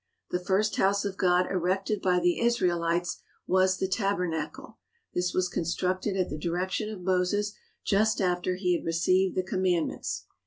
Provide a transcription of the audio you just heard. The first house of God erected by the Israelites was the Tabernacle. This was constructed at the direction of Moses just after he had received the Commandments.